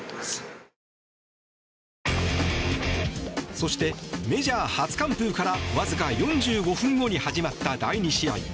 そして、メジャー初完封からわずか４５分後に始まった第２試合。